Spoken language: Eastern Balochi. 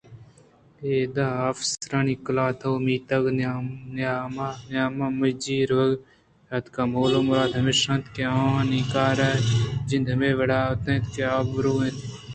اِد ءِ افسرانی قلاتءُمیتگ ءِ نیامجی ءَ روگ ءُآیگ ءِ مول ءُمراد ہمیش اِنت کہ آوانی کار ءِ جند ہمے وڑا اِنت کہ آبرواَنت ءُبیا اَنت